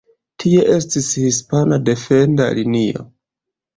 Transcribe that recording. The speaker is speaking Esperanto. Tie estis hispana defenda linio.